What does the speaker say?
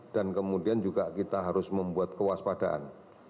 dan kemudian juga kita harus membuat kewaspadaan